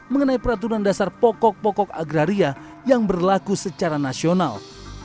mengenai peraturan dasar pokok pokok agraria yang berlaku secara nasional